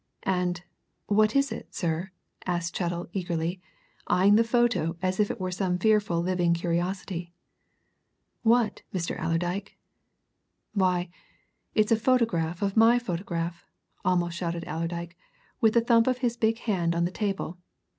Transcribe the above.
"And what is it, sir?" asked Chettle eagerly, eyeing the photo as if it were some fearful living curiosity. "What, Mr. Allerdyke?" "Why, it's a photograph of my photograph!" almost shouted Allerdyke, with a thump of his big hand on the table.